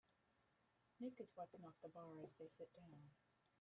Nick is wiping off the bar as they sit down.